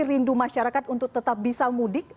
rindu masyarakat untuk tetap bisa mudik